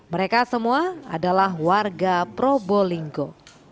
mereka semua adalah warga probolinggo